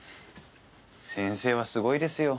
先生はすごいですよ。